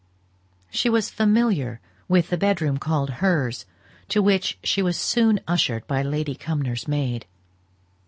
She was familiar with the bedroom called hers, to which she was soon ushered by Lady Cumnor's maid.